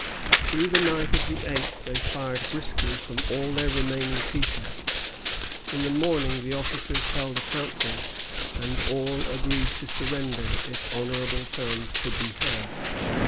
Through the night of the eighth they fired briskly from all their remaining pieces. In the morning the officers held a council, and all agreed to surrender if honorable terms could be had.